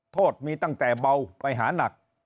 โทษมีตั้งแต่เบาไปหานัก